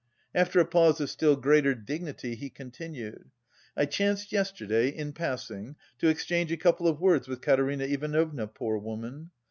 After a pause of still greater dignity he continued. "I chanced yesterday in passing to exchange a couple of words with Katerina Ivanovna, poor woman.